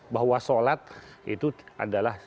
bahwa sholat itu adalah